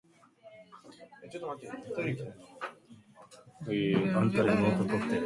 This is due to different Time zones spread across these areas.